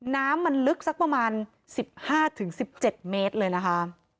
น้ำมันลึกสักประมาณ๑๕๑๗เมตรเลยนะคะ